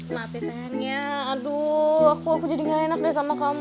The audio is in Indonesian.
maaf ya senyanya aduh aku jadi gak enak deh sama kamu